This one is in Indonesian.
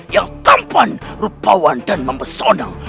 yang tampan rupawan dan mempesona